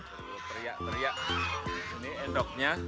teriak teriak ini entoknya